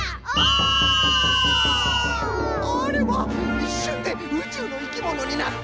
いっしゅんでうちゅうのいきものになった！